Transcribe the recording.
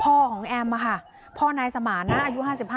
พี่สาวบอกแบบนั้นหลังจากนั้นเลยเตือนน้องตลอดว่าอย่าเข้าในพงษ์นะ